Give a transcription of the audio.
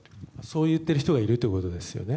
そう言っている人がいるということですよね。